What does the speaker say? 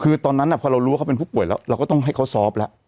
คือตอนนั้นพอเรารู้ว่าเขาเป็นผู้ป่วยแล้วเราก็ต้องให้เขาซอฟต์แล้ว